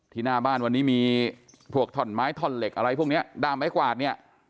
หน้าบ้านวันนี้มีพวกท่อนไม้ท่อนเหล็กอะไรพวกเนี้ยด้ามไม้กวาดเนี่ย